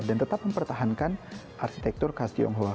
dan tetap mempertahankan arsitektur khas tionghoa